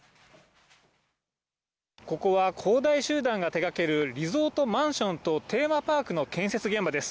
ここは恒大集団が手がけるリゾートマンションとテーマパークの建設現場です。